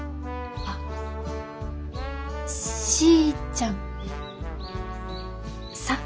あっしーちゃんさん。